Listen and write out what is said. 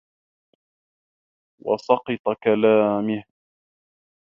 وَسَقَطِ كَلَامِهِ